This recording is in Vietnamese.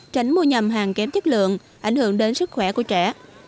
tránh mua nhầm hàng kém chất lượng ảnh hưởng đến sức khỏe của trẻ